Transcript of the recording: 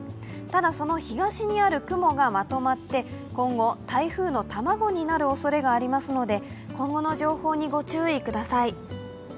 ただ、その東にある雲がまとまって今後、台風の卵になるおそれがありますので今後の情報に御注意ください。